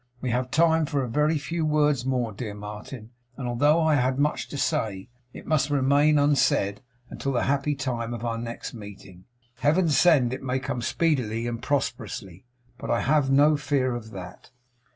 We have time for a very few words more, dear Martin, and although I had much to say, it must remain unsaid until the happy time of our next meeting. Heaven send it may come speedily and prosperously! But I have no fear of that.